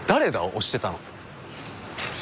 押してたの。